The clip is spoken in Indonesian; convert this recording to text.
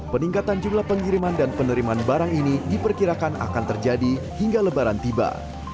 peningkatan jumlah pengiriman dan penerimaan barang ini diperkirakan akan terjadi hingga lebaran tiba